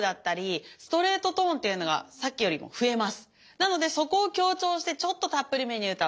なのでそこを強調してちょっとたっぷりめに歌う。